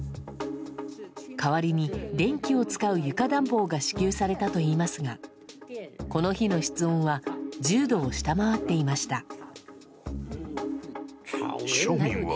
代わりに電気を使う床暖房が支給されたといいますがこの日の室温は１０度を下回っていました。